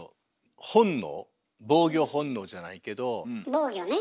防御ね。